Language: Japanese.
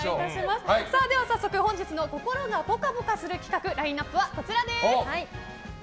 早速、本日の心がぽかぽかする企画ラインアップはこちらです。